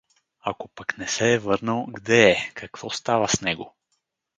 Ако пък не се е върнал, где е, какво става с него?